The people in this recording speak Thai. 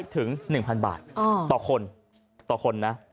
๘๐๐ถึง๑๐๐๐บาทต่อคน